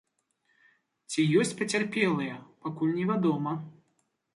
Ці ёсць пацярпелыя, пакуль невядома.